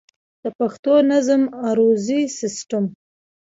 د پښتو نظم عروضي سيسټم